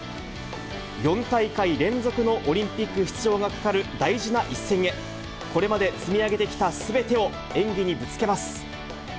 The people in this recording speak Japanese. ４大会連続のオリンピック出場がかかる大事な一戦へ、これまで積み上げてきたすべてを演技にぶつけます。